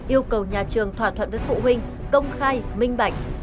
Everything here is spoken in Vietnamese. yêu cầu nhà trường thỏa thuận với phụ huynh công khai minh bạch